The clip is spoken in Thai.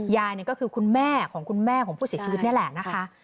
ยายก็คือคุณแม่ของคุณแม่ผู้เสียชีวิตแหละนะคะ